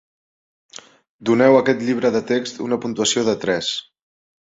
Doneu aquest llibre de text una puntuació de tres.